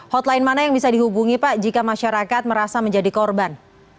hotline mana yang bisa dihubungi pak jika masyarakat merasa menjadi korban